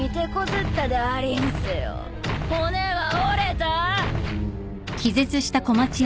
骨は折れた？